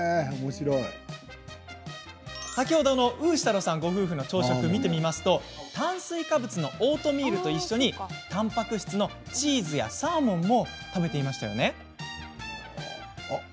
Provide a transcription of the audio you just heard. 先ほどのウーシタロさんご夫妻の朝食を見てみると炭水化物のオートミールと一緒にたんぱく質のチーズやサーモンも食べていましたよね。